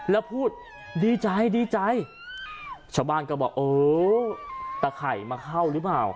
แล้วพูดดีใจดีใจชาวบ้านก็บอกโอ้ตะไข่มาเข้าหรือเปล่า